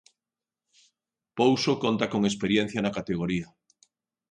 Pouso conta con experiencia na categoría.